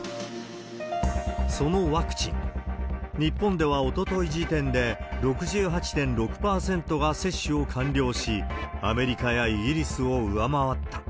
そのワクチン、日本ではおととい時点で６８．６％が接種を完了し、アメリカやイギリスを上回った。